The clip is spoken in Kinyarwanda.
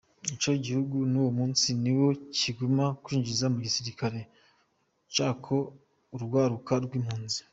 Ico gihugu n’uno munsi nico kiguma cinjiza mu gisirikare caco urwaruka rw’impunzi.